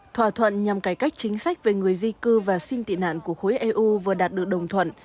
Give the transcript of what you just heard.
thỏa thuận nhằm cải cách chính sách về người di cư và xin tị nạn của khối eu vừa đạt được đồng thuận